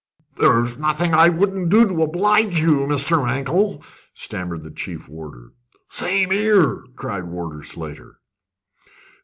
"There's nothing I wouldn't do to oblige you, Mr. Mankell," stammered the chief warder. "Same 'ere!" cried Warder Slater.